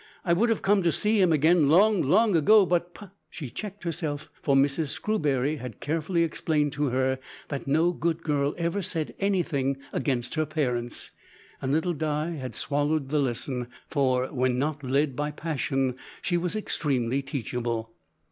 I would have come to see him again long long ago, but p " She checked herself, for Mrs Screwbury had carefully explained to her that no good girl ever said anything against her parents; and little Di had swallowed the lesson, for, when not led by passion, she was extremely teachable.